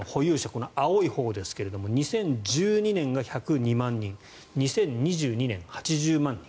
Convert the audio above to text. この青いほうですが２０１２年が１０２万人２０２２年、８０万人。